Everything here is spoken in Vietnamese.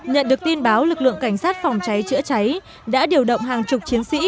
nhận được tin báo lực lượng cảnh sát phòng cháy chữa cháy đã điều động hàng chục chiến sĩ